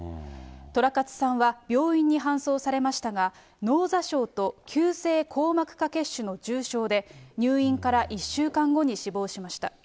とらかつさんは病院に搬送されましたが、脳挫傷と急性硬膜下血腫の重症で、入院から１週間後に死亡しました。